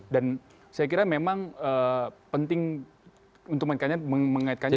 dan saya kira memang penting untuk mengaitkannya